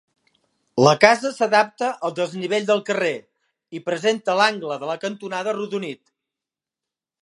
La casa s'adapta al desnivell del carrer, i presenta l'angle de la cantonada arrodonit.